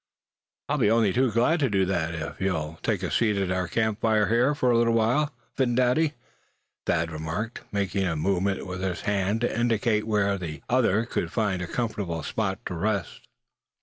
"I'll be only too glad to do that, if you'll take a seat at our camp fire here for a little while, Phin Dady," Thad remarked, making a movement with his hand to indicate where the other could find a comfortable spot to rest.